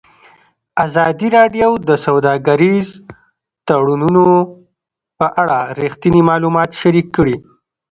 ازادي راډیو د سوداګریز تړونونه په اړه رښتیني معلومات شریک کړي.